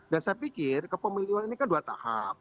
saya pikir kepemiluan ini kan dua tahap